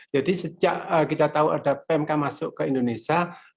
jadi sejak kita tahu ada pmk masuk ke indonesia